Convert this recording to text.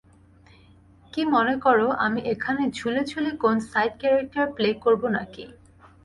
কি মনে করো, আমি এখানে ঝুলে ঝুলে কোন সাইড ক্যারেক্টার প্লে করবো নাকি?